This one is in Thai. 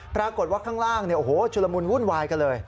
ปรากฏว่าข้างล่างชุลมุนวุ่นวายกันเลย